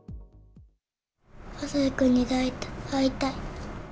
あさひくんに会いたい。